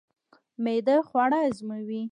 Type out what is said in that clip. معده خواړه هضموي